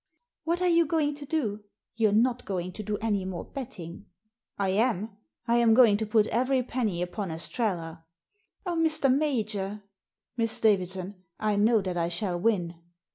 "What are you going to do? You're not going to do any more betting?" " I am. I am going to put every penny upon Estrella." "Oh, Mr. Major! " Miss Davidson, I know that I shall win."